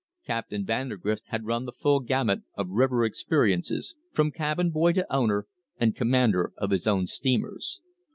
Captain Vandergrift had run the full gamut of river experiences from cabin boy to owner and commander of his own steamers.